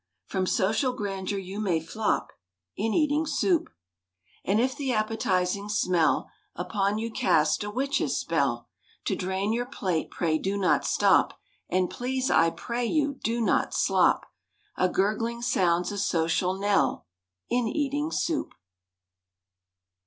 — From social grandeur you may flop In eating soup. And if the appetizing smell Upon you cast a witch's spell, To drain your plate pray do not stop, And please, I pray you, do not slop! A gurgling sound's a social knell In eating soup.